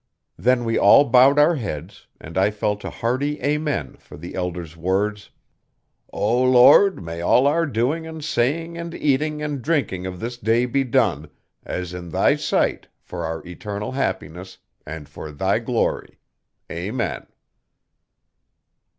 Then we all bowed our heads and I felt a hearty amen for the elder's words: 'O Lord, may all our doing and saying and eating and drinking of this day be done, as in Thy sight, for our eternal happiness and for Thy glory. Amen.'